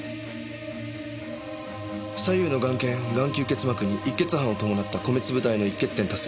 左右の眼瞼眼球結膜に溢血斑を伴った米粒大の溢血点多数。